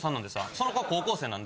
その子は高校生なんで。